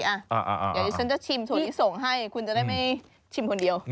เดี๋ยวที่ฉันจะชิมส่วนที่ส่งให้คุณจะได้ไม่ชิมคนเดียว